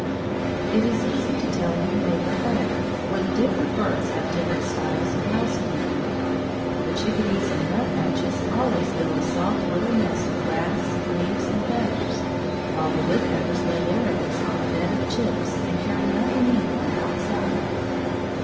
It is easy to tell who made the hole, for the different birds have different styles of housekeeping. The chickadees and nuthatches always build a soft little nest of grass, leaves, and feathers, while the woodpeckers lay their eggs on a bed of chips, and carry nothing in from outside.